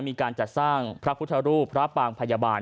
มีการจัดสร้างพระพุทธรูปพระปางพยาบาล